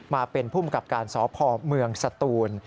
มาเป็นภูมิกับการสพเมืองสตูน